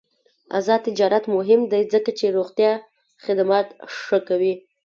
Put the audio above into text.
آزاد تجارت مهم دی ځکه چې روغتیا خدمات ښه کوي.